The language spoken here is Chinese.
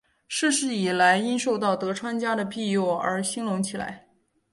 近世以来因受到德川家的庇佑而兴隆起来。